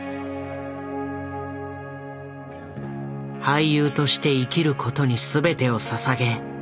俳優として生きることに全てをささげ